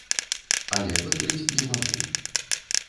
Але выкрыць не маглі.